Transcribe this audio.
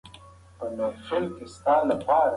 که ماشوم ته ارزښت ورکړو نو هغه پیاوړی کېږي.